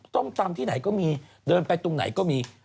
ต้มตำที่ไหนก็มีเดินไปตรงไหนก็มี